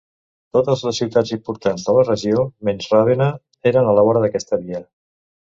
Totes les ciutats importants de la regió, menys Ravenna eren a la vora d'aquesta via.